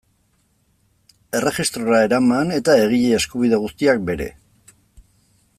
Erregistrora eraman eta egile eskubide guztiak bere.